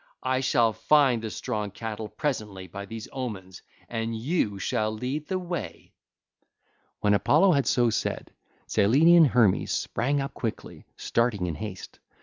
I shall find the strong cattle presently by these omens, and you shall lead the way.' (ll. 304 306) When Apollo had so said, Cyllenian Hermes sprang up quickly, starting in haste.